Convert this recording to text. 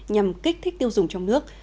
nhằm kích thích tiêu dùng trong nước